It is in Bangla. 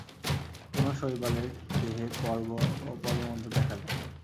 কোন শৈবালের দেহে পর্ব ও পর্বমধ্য দেখা যায়?